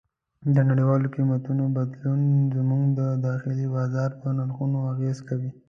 د نړیوالو قیمتونو بدلون زموږ د داخلي بازار په نرخونو اغېز کوي.